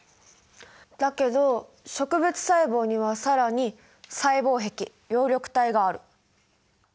だけど植物細胞には更に細胞壁葉緑体がある。